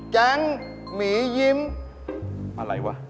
แก๊งหมียิ้มอะไรวะ